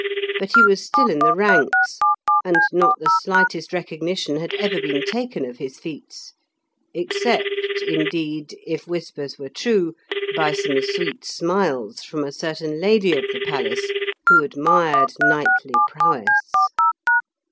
But he was still in the ranks, and not the slightest recognition had ever been taken of his feats, except, indeed, if whispers were true, by some sweet smiles from a certain lady of the palace, who admired knightly prowess.